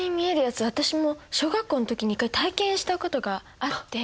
私も小学校の時に１回体験したことがあって。